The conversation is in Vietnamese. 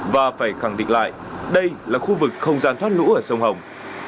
và phải khẳng định lại đây là khu vực không gian thoát lũ ở sông hồng